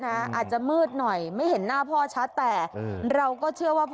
อาจจะมืดหน่อยไม่เห็นหน้าพ่อชัดแต่เราก็เชื่อว่าพ่อ